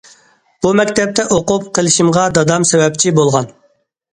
بۇ مەكتەپتە ئوقۇپ قېلىشىمغا دادام سەۋەبچى بولغان.